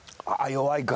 弱いか。